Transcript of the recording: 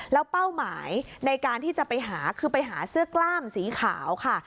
แล้วเป้าหมายในการที่จะไปหาคือไปหาเสื้อกล้ามสีขาวค่ะ